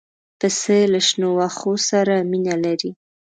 پسه له شنو واښو سره مینه لري.